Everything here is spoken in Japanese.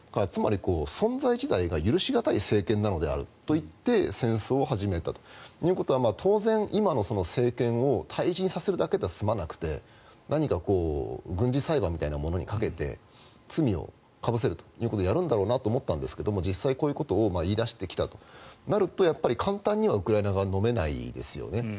つまり、存在自体が許し難い政権なのであると言って戦争を始めたということは当然、今の政権を退陣させるだけでは済まなくて何か、軍事裁判みたいなものにかけて罪をかぶせるということをやるんだろうなと思ったんですが実際こういうことを言い出してきたとなると簡単にはウクライナ側はのめないですよね。